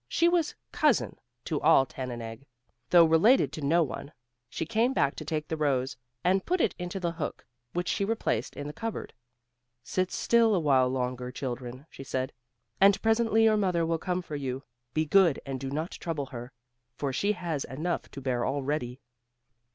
She was "cousin" to all Tannenegg, though related to no one. She came back to take the rose, and put it into the hook, which she replaced in the cup board. "Sit still awhile longer, children;" she said, "and presently your mother will come for you. Be good and do not trouble her, for she has enough to bear already."